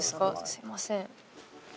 すいません。